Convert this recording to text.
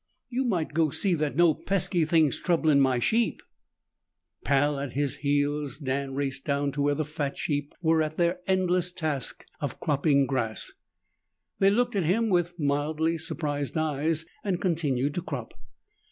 "You might go see that no pesky thing's troublin' my sheep." Pal at his heels, Dan raced down to where the fat sheep were at their endless task of cropping grass. They looked at him with mildly surprised eyes and continued to crop.